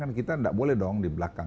kan kita nggak boleh dong di belakang